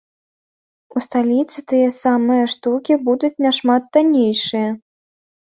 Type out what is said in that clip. У сталіцы тыя самыя штукі будуць нашмат таннейшыя.